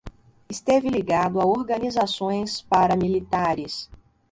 Esteve ligado a organizações paramilitares